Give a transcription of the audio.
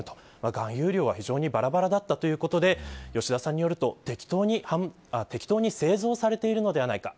含有量が非常にばらばらだったということで吉田さんによると適当に製造されているのではないか。